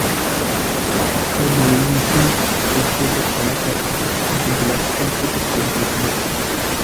আর তাই green tea এর চাইতে কড়া স্বাদ থাকে কিন্তু ব্লাক টি এর চাইতে কম ক্যাফেইন থাকে।